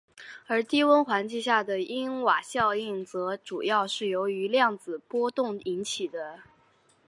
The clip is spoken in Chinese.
而低温环境下的因瓦效应则主要是由于量子波动引起的。